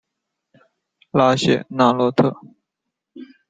拉谢纳洛特。